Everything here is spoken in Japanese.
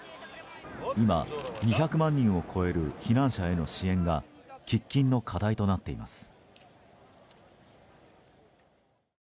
今、２００万人を超える避難者への支援が喫緊の課題となっています。